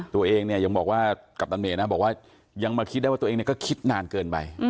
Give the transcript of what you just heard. ตัวเองเนี่ยยังบอกว่ากัปตันเมนะบอกว่ายังมาคิดได้ว่าตัวเองก็คิดนานเกินไป